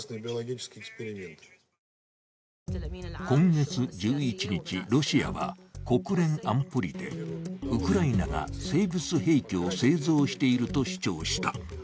今月１１日、ロシアは国連安保理でウクライナが生物兵器を製造していると主張した。